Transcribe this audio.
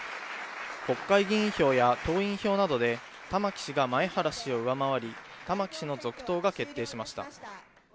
国会議員票や党員票などで玉木氏が前原氏を上回り玉木氏の続投が決定しました。